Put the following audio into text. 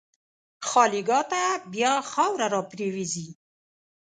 خالیګاه ته بیا خاوره راپرېوځي.